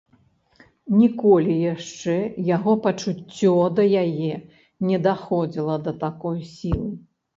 Ніколі яшчэ яго пачуццё да яе не даходзіла да такой сілы.